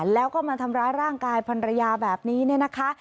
แล้วก็มาทำร้ายร่างกายพันรยาแบบนี้เนี่ยนะคะ